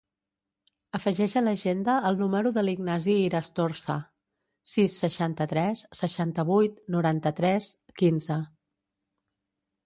Afegeix a l'agenda el número de l'Ignasi Irastorza: sis, seixanta-tres, seixanta-vuit, noranta-tres, quinze.